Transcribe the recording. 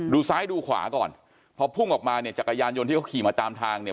ซ้ายดูขวาก่อนพอพุ่งออกมาเนี่ยจักรยานยนต์ที่เขาขี่มาตามทางเนี่ย